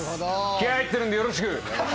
気合入ってるんでよろしく。